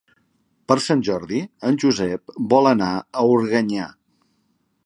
Per Sant Jordi en Josep vol anar a Organyà.